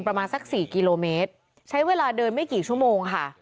ประมาณสักสี่กิโลเมตรใช้เวลาเดินไม่กี่ชั่วโมงค่ะ